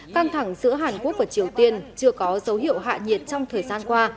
căng thẳng giữa hàn quốc và triều tiên chưa có dấu hiệu hạ nhiệt trong thời gian qua